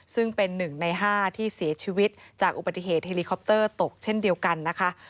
ซึ่งเป็น๑ใน๕ที่เสียชีวิตจากอุบัติเหตุเฮลิคอปเตอร์ตกเช่นเดียวกันนะคะ